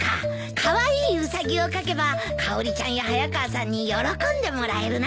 カワイイウサギを描けばかおりちゃんや早川さんに喜んでもらえるな。